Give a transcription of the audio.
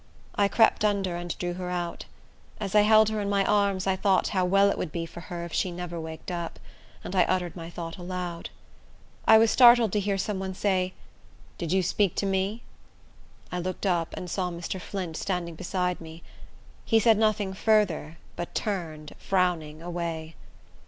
I crept under and drew her out. As I held her in my arms, I thought how well it would be for her if she never waked up; and I uttered my thought aloud. I was startled to hear some one say, "Did you speak to me?" I looked up, and saw Mr. Flint standing beside me. He said nothing further, but turned, frowning, away.